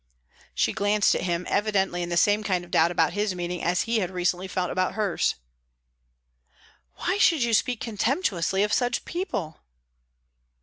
She glanced at him, evidently in the same kind of doubt about his meaning as he had recently felt about hers. "Why should you speak contemptuously of such people?"